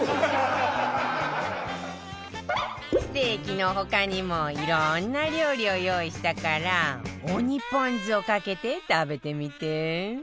ステーキの他にもいろんな料理を用意したからオニぽん酢をかけて食べてみて